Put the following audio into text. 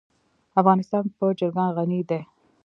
افغانستان په چرګان غني دی.